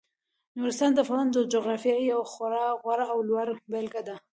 نورستان د افغانستان د جغرافیې یوه خورا غوره او لوړه بېلګه ده.